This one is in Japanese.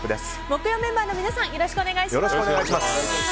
木曜メンバーの皆さんよろしくお願いします。